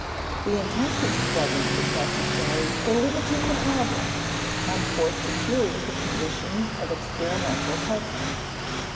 The intensive study is necessary for limiting the problem, and for securing the conditions of experimental testing.